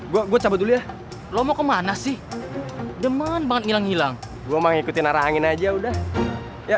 gue gue dulu ya lo mau kemana sih demen banget hilang hilang gue mengikuti narangin aja udah ya